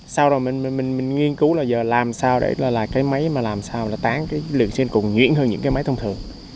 sau đó mình nghiên cứu là làm sao để cái máy làm sao tán lượng xương cồn nhuyễn hơn những máy thông thường